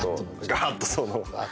ガッとその。